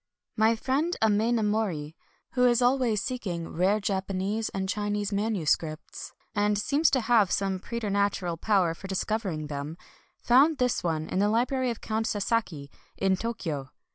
My friend Amenomori, who is always seeking rare Japanese and Chi nese MSS., and seems to have some preter natural power for discovering them, found this one in the library of Count Sasaki in Tokyo.